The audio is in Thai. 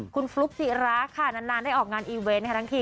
คุณฟลุ๊กจิราค่ะนานได้ออกงานอีเวนต์ทั้งที